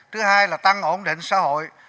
thứ hai là tăng ổn định xã hội